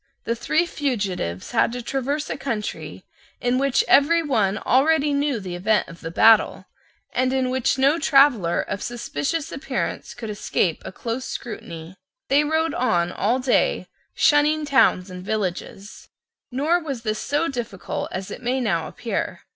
The three fugitives had to traverse a country in which every one already knew the event of the battle, and in which no traveller of suspicious appearance could escape a close scrutiny. They rode on all day, shunning towns and villages. Nor was this so difficult as it may now appear.